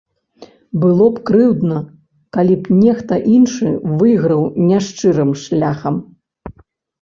Было б крыўдна, калі б нехта іншы выйграў няшчырым шляхам.